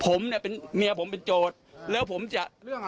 ผมเนี่ยเป็นเมียผมเป็นโจทย์แล้วผมจะเรื่องอะไร